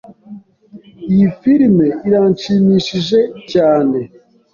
Iyi firime iranshimishije cyane.